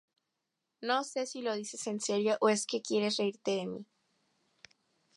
No sé si lo dices en serio o es que quieres reírte de mí.